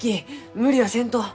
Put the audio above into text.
無理はせんと。